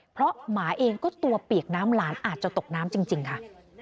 เพราะหมาเองก็ตัวเปียกน้ำหลานอาจจะตกน้ำจริงค่ะ